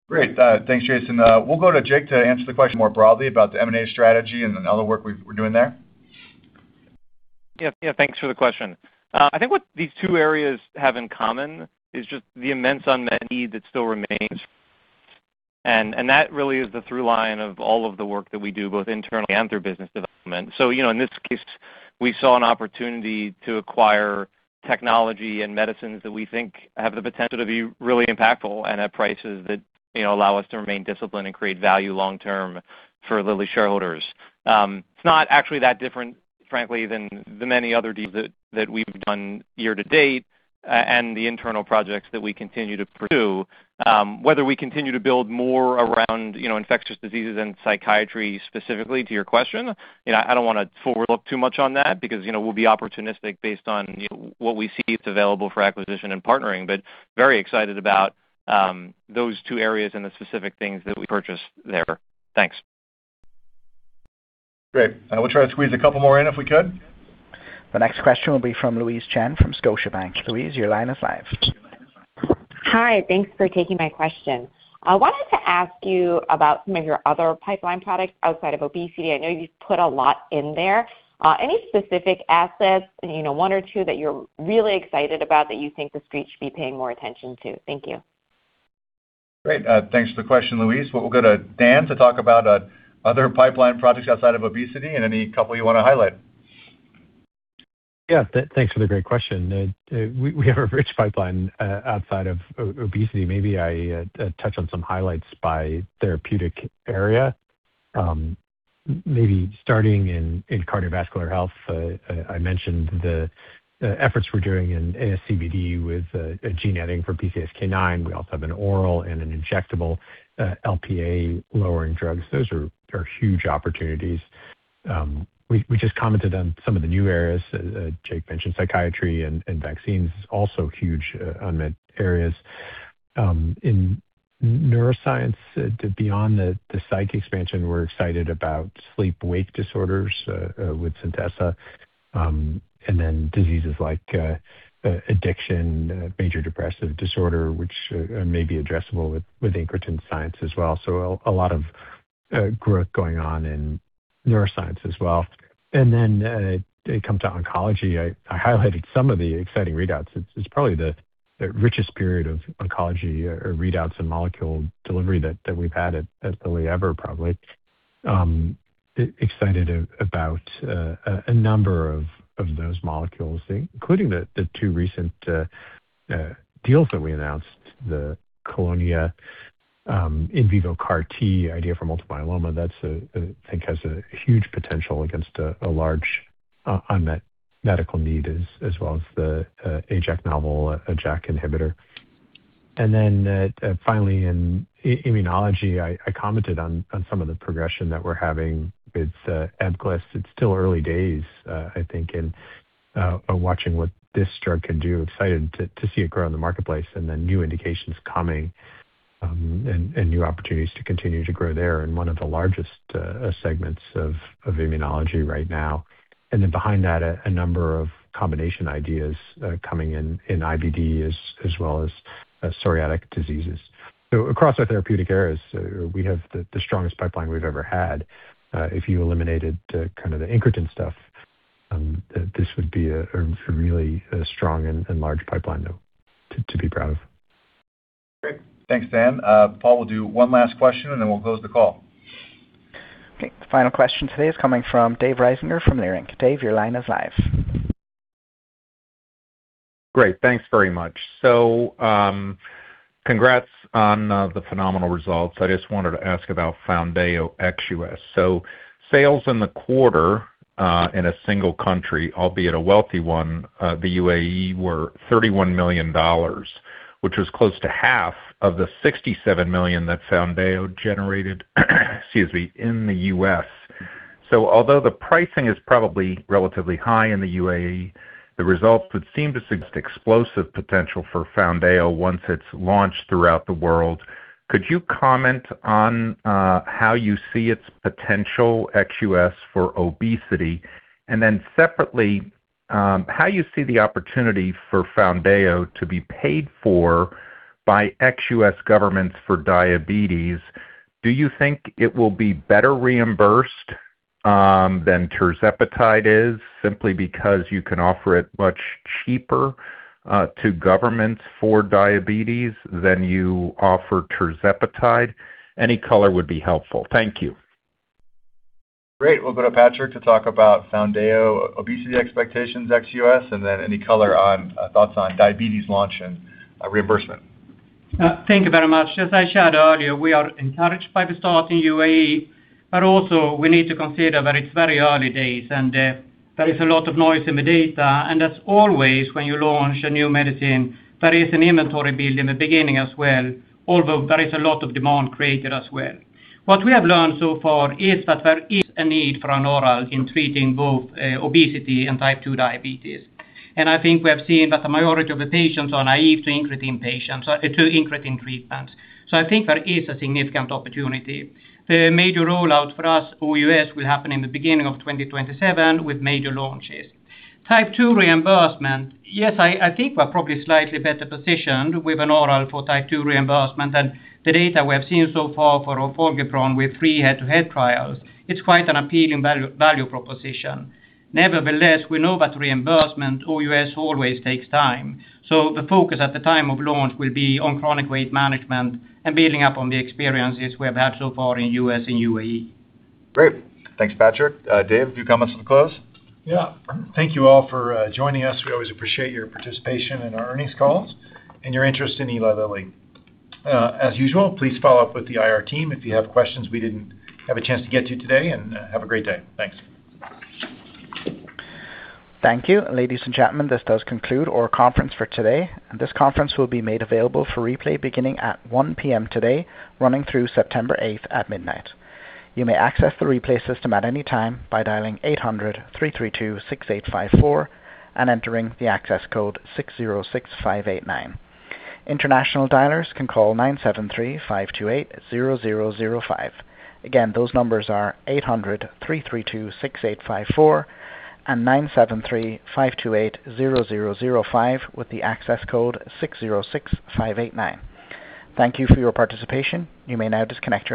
Great. Thanks, Jason. We'll go to Jake to answer the question more broadly about the M&A strategy and the other work we're doing there. Yeah. Thanks for the question. I think what these two areas have in common is just the immense unmet need that still remains, and that really is the through line of all of the work that we do, both internally and through business development. In this case, we saw an opportunity to acquire technology and medicines that we think have the potential to be really impactful and at prices that allow us to remain disciplined and create value long term for Lilly shareholders. It's not actually that different, frankly, than the many other deals that we've done year to date, and the internal projects that we continue to pursue. Whether we continue to build more around infectious diseases and psychiatry specifically, to your question, I don't want to forward look too much on that because we'll be opportunistic based on what we see is available for acquisition and partnering, but very excited about those two areas and the specific things that we purchased there. Thanks. Great. We'll try to squeeze a couple more in if we could. The next question will be from Louise Chen from Scotiabank. Louise, your line is live. Hi. Thanks for taking my question. I wanted to ask you about some of your other pipeline products outside of obesity. I know you've put a lot in there. Any specific assets, one or two, that you're really excited about that you think the street should be paying more attention to? Thank you. Great. Thanks for the question, Louise. Well, we'll go to Dan to talk about other pipeline projects outside of obesity and any couple you want to highlight. Thanks for the great question. We have a rich pipeline outside of obesity. I touch on some highlights by therapeutic area. Starting in cardiovascular health. I mentioned the efforts we're doing in ASCVD with a gene editing for PCSK9. We also have an oral and an injectable Lp(a)-lowering drugs. Those are huge opportunities. We just commented on some of the new areas. Jake mentioned psychiatry and vaccines, is also huge unmet areas. In neuroscience, beyond the psych expansion, we're excited about sleep-wake disorders, with Centessa. Diseases like addiction, major depressive disorder, which may be addressable with incretin science as well. A lot of growth going on in neuroscience as well. You come to oncology. I highlighted some of the exciting readouts. It's probably the richest period of oncology or readouts in molecule delivery that we've had at Lilly ever, probably. Excited about a number of those molecules, including the two recent deals that we announced, the Kelonia in vivo CAR T idea for multiple myeloma. That I think has a huge potential against a large unmet medical need, as well as the AJ1-11095 novel, a JAK inhibitor. Finally, in immunology, I commented on some of the progression that we're having with empagliflozin. It's still early days, I think, in watching what this drug can do. Excited to see it grow in the marketplace new indications coming, and new opportunities to continue to grow there in one of the largest segments of immunology right now. Behind that, a number of combination ideas coming in IBD as well as psoriatic diseases. Across our therapeutic areas, we have the strongest pipeline we've ever had. If you eliminated the incretin stuff, this would be a really strong and large pipeline, though, to be proud of. Great. Thanks, Dan. Paul will do one last question. We'll close the call. Okay. The final question today is coming from Dave Risinger from Leerink. Dave, your line is live. Great. Thanks very much. Congrats on the phenomenal results. I just wanted to ask about Foundayo ex-U.S.. Sales in the quarter, in a single country, albeit a wealthy one, the UAE, were $31 million, which was close to half of the $67 million that Foundayo generated, excuse me, in the U.S.. Although the pricing is probably relatively high in the UAE, the results would seem to suggest explosive potential for Foundayo once it's launched throughout the world. Could you comment on how you see its potential ex-U.S. for obesity? Then separately, how you see the opportunity for Foundayo to be paid for by ex-U.S. governments for diabetes. Do you think it will be better reimbursed than tirzepatide is, simply because you can offer it much cheaper to governments for diabetes than you offer tirzepatide? Any color would be helpful. Thank you. Great. We'll go to Patrik to talk about Foundayo obesity expectations ex-U.S., and then any color on thoughts on diabetes launch and reimbursement. Thank you very much. As I shared earlier, we are encouraged by the start in UAE, but also we need to consider that it's very early days, and there is a lot of noise in the data. As always, when you launch a new medicine, there is an inventory build in the beginning as well, although there is a lot of demand created as well. What we have learned so far is that there is a need for an oral in treating both obesity and Type 2 diabetes. I think we have seen that the majority of the patients are naive to incretin patients or to incretin treatments. I think there is a significant opportunity. The major rollout for us OUS will happen in the beginning of 2027 with major launches. Type 2 reimbursement. Yes, I think we're probably slightly better positioned with an oral for Type 2 reimbursement and the data we have seen so far for orforglipron with three head-to-head trials. It's quite an appealing value proposition. Nevertheless, we know that reimbursement OUS always takes time. The focus at the time of launch will be on chronic weight management and building up on the experiences we have had so far in U.S. and UAE. Great. Thanks, Patrik. Dave, a few comments on close? Thank you all for joining us. We always appreciate your participation in our earnings calls and your interest in Eli Lilly. As usual, please follow up with the IR team if you have questions we didn't have a chance to get to today. Have a great day. Thanks. Thank you. Ladies and gentlemen, this does conclude our conference for today. This conference will be made available for replay beginning at 1:00 P.M. today, running through September 8th at midnight. You may access the replay system at any time by dialing 800-332-6854 and entering the access code 606589. International dialers can call 973-528-0005. Again, those numbers are 800-332-6854 and 973-528-0005 with the access code 606589. Thank you for your participation. You may now disconnect.